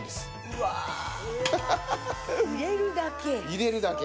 入れるだけ。